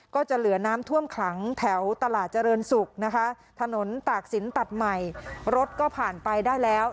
ก็จะเหลือน้ำท่วมขังแถวตลาดเจริญศุกร์นะคะถนนตากศิลปัดใหม่รถก็ผ่านไปได้แล้ว